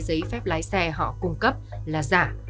giấy phép lái xe họ cung cấp là giả